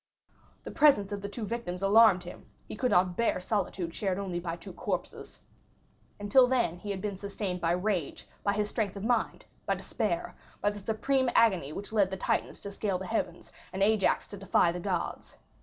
The presence of the two victims alarmed him; he could not bear solitude shared only by two corpses. Until then he had been sustained by rage, by his strength of mind, by despair, by the supreme agony which led the Titans to scale the heavens, and Ajax to defy the gods.